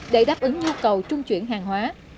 để đáp ứng nhu cầu trung chuyển hàng hóa